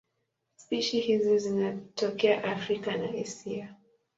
Spishi hizi zinatokea Afrika na Asia.